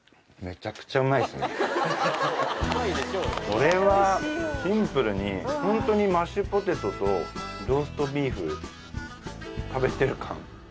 これはシンプルにホントにマッシュポテトとローストビーフ食べてる感